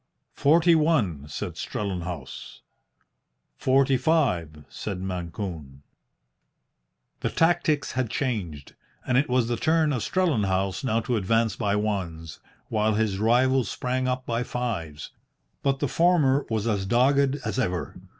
"Forty one," said Strellenhaus. "Forty five," said Mancune. The tactics had changed, and it was the turn of Strellenhaus now to advance by ones, while his rival sprang up by fives. But the former was as dogged as ever.